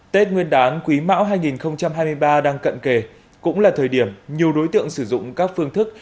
tết nguyên đán quý mão hai nghìn hai mươi ba đang cận kề cũng là thời điểm nhiều đối tượng sử dụng các phương thức